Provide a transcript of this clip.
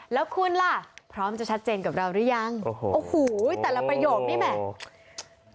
แล้วคุณล่ะพร้อมจะชัดเจนกับเราหรือยังโอ้โหแต่ละประโยคนี้แหม